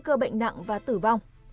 nguy cơ bệnh nặng và tử vong